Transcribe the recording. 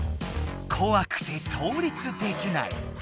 こわくて倒立できない。